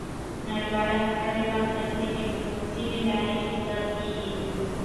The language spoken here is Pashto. د نړیوالې همکارۍ بنسټ د ډيپلوماسی له لارې ایښودل کېږي.